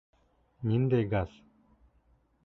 Ниндәй газ?